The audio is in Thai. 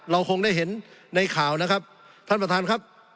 เราคงได้เห็นในข่าวนะครับท่านประธานครับ